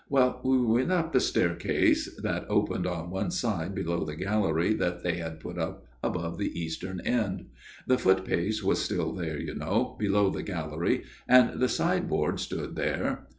" Well, we went up the staircase that opened on one side below the gallery that they had put up above the eastern end. The footpace was still there, you know, below the gallery, and the sideboard stood there.